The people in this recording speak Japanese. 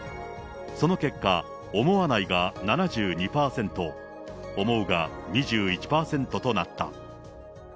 その結果、思わないが７２％、思うが２１％となった。